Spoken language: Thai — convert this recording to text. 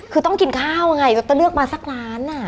คือต้องกินข้าวไงเราจะเลือกมาสักล้าน